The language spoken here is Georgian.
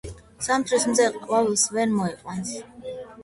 ზამთრის მზე ყვავილს ვერ მოიყვანს.